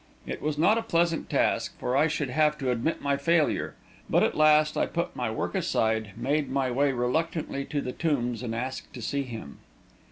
It was not a pleasant task, for I should have to admit my failure, but at last I put my work aside, made my way reluctantly to the Tombs, and asked to see him.